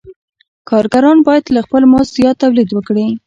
کارګران باید له خپل مزد زیات تولید وکړي